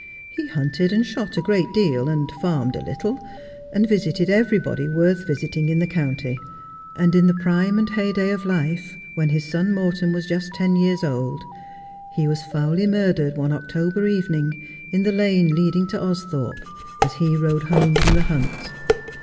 He hunted and shot a great deal, and farmed a little, and visited everybody worth visiting in the county ; and in the prime and heyday of life, when his son Morton was just ten years old, he was foully murdered one October evening in the lane leading to Austhorpe, as he rode home from the hunt.